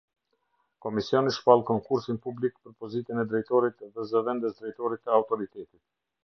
Komisioni shpall konkursin publik për pozitën e drejtorit dhe zëvendësdrejtorit të Autoritetit.